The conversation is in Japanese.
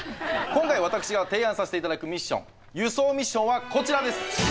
今回私が提案させて頂くミッション輸送ミッションはこちらです。